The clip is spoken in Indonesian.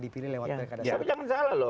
dipilih lewat berkat dasar